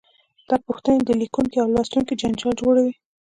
دا پوښتنې د لیکونکي او لوستونکي جنجال جوړوي.